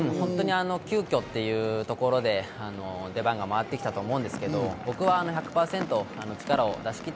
急きょというところで出番が回ってきたと思うんですけど、僕は１００％力を出し切った